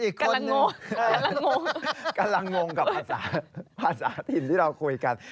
ตัวอีกคนนึงกำลังงงกำลังงงกับภาษาภาษาถิ่นที่เราคุยกัน